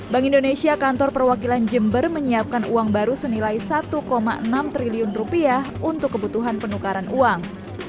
bank indonesia kantor perwakilan jember menyiapkan uang baru senilai satu enam triliun rupiah untuk kebutuhan penukaran uang